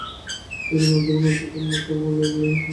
এই কারণে অধ্যাপনার আর্থিক ও কর্ম-ভার লঘু হয়েছিল তাঁদের দ্বারা।